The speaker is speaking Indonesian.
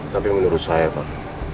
tapi menurut saya pak